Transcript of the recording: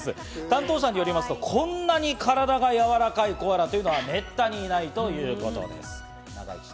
担当者によると、こんなに体がやわらかいコアラというのは、めったにいないということです。